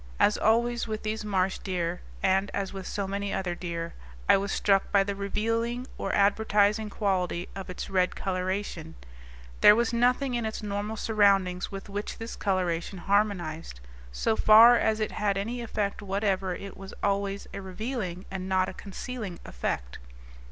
As always with these marsh deer and as with so many other deer I was struck by the revealing or advertising quality of its red coloration; there was nothing in its normal surroundings with which this coloration harmonized; so far as it had any effect whatever it was always a revealing and not a concealing effect.